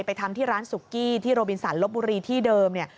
ทำที่ร้านสุกี้ที่โรบินสันลบบุรีที่เดิมเนี่ย